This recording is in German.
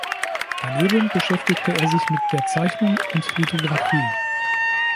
Daneben beschäftigte er sich mit der Zeichnung und Lithografie.